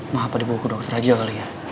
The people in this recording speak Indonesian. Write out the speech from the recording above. ngapa di buku dokter aja kali ya